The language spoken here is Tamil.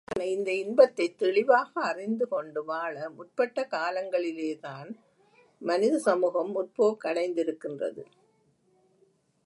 நிலையான இந்த இன்பத்தைத் தெளிவாக அறிந்து கொண்டு வாழ முற்பட்ட காலங்களிலேதான் மனித சமூகம் முற்போக்கடைந்திக்கின்றது.